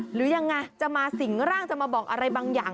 หรือยังไงจะมาสิ่งร่างจะมาบอกอะไรบางอย่าง